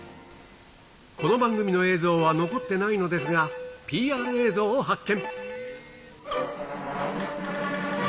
この番組の映像は残ってないのですが、ＰＲ映像を発見。